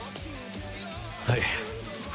はい。